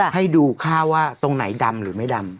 ให้ดูค่าว่าตรงไหนดำหรือไม่ดำ